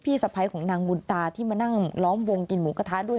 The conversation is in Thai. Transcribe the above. สะพ้ายของนางบุญตาที่มานั่งล้อมวงกินหมูกระทะด้วย